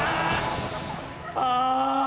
ああ。